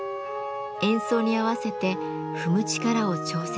演奏に合わせて踏む力を調節。